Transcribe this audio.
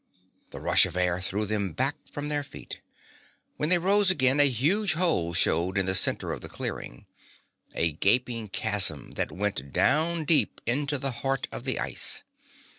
The rush of air threw them from their feet. When they rose again a huge hole showed in the center of the clearing, a gaping chasm that went down deep into the heart of the ice.